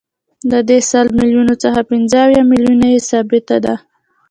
له دې سل میلیونو څخه پنځه اویا میلیونه یې ثابته ده